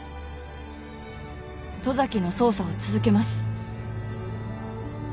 十崎の捜査を続けます。